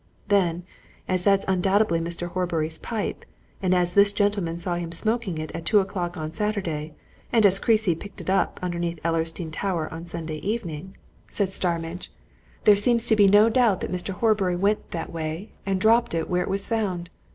"Then, as that's undoubtedly Mr. Horbury's pipe, and as this gentleman saw him smoking it at two o'clock on Saturday, and as Creasy picked it up underneath Ellersdeane Tower on Sunday evening," said Starmidge, "there seems no doubt that Mr. Horbury went that way, and dropped it where it was found.